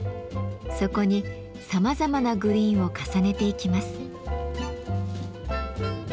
そこにさまざまなグリーンを重ねていきます。